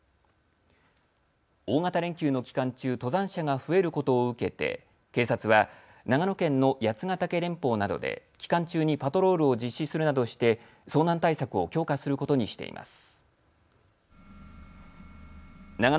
大型連休の期間中、登山者が増えることを受けて警察は長野県の八ヶ岳連峰などで期間中にパトロールを実施するなどして遭難対策を強化することにしています。